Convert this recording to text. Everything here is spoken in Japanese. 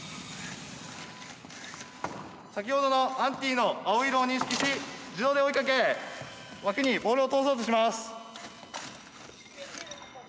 先ほどのアンティの青色を認識し自動で追いかけ枠にボールを通そうとします。